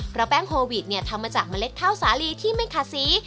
เพราะแป้งโควิดเนี่ยทำมาจากเมล็ดข้าวสาลีที่ไม่ขาดสี